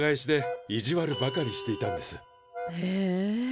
へえ。